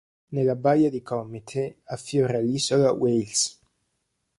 Nella baia di Committee affiora l'isola Wales.